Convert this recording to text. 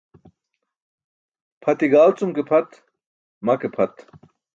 Pʰati gal cum je ke pʰat, ma ke pʰat.